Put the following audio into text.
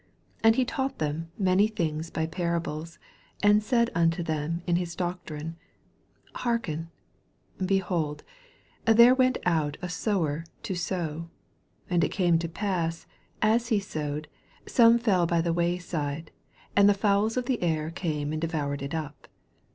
2 And he taught them many things by parables, and said unto them in his doctrine, 3 Hearken ; Behold, there went out a sower to sow : 4 And it came to pass, as he sowed, some fell by the way side, and the fowls of the air came and devoured it up.